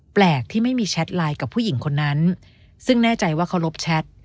แปลกที่ไม่มีแชทไลน์กับผู้หญิงคนนั้นซึ่งแน่ใจว่าเขารบแชท